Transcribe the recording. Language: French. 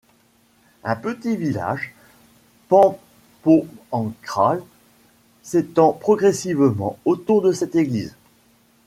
Un petit village, Pampoenkraal, s'étend progressivement autour de cette église.